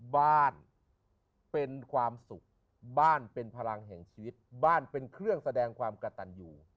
บ้านเป็นความสุขบ้านเป็นพลังแห่งชีวิตบ้านเป็นเครื่องแสดงความกระตันอยู่